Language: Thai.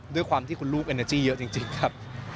ด้วยความที่คุณลูกเอเนอร์จี้เยอะจริงครับ